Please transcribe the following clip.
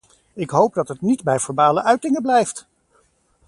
Ik hoop dat het niet bij verbale uitingen blijft!